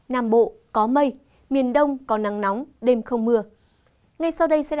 nam bộ có mây miền đông có nắng nóng đêm không mưa